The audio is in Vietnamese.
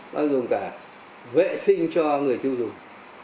bao gồm cả vệ sinh cho người tiêu dùng